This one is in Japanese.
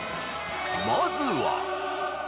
まずは。